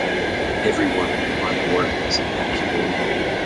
Everyone on board was evacuated.